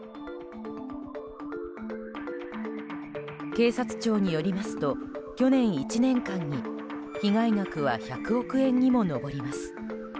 警察庁によりますと去年１年間に、被害額は１００億円にも上ります。